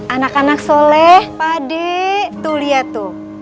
anak anak soleh pade tuh lihat tuh